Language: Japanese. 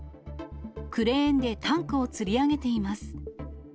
クレーンでタンクをつり上げています。